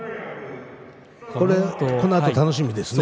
このあと、楽しみですね。